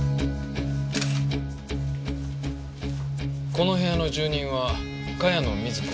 この部屋の住人は茅野瑞子。